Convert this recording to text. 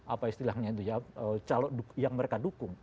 apa istilahnya itu ya calon yang mereka dukung